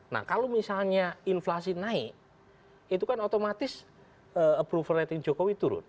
nah kalau misalnya inflasi naik itu kan otomatis approval rating jokowi turun